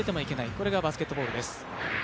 これがバスケットボールです。